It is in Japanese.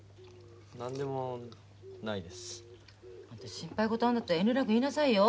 心配ごとあるんだったら遠慮なく言いなさいよ。